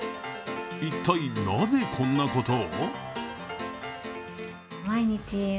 一体なぜこんなことを？